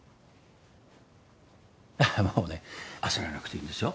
あっもうね焦らなくていいんですよ。